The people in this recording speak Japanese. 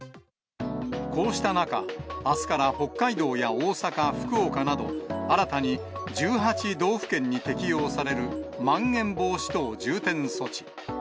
こうした中、あすから北海道や大阪、福岡など、新たに１８道府県に適用されるまん延防止等重点措置。